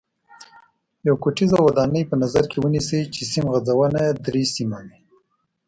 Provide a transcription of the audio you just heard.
یوه کوټیزه ودانۍ په نظر کې ونیسئ چې سیم غځونه یې درې سیمه وي.